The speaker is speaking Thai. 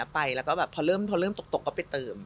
พอเริ่มตกก็ไปเติม